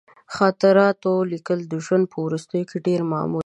د خاطراتو لیکل د ژوند په وروستیو کې ډېر معمول دي.